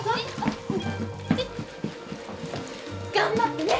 頑張ってね！